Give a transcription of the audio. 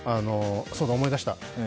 そうだ、思い出した。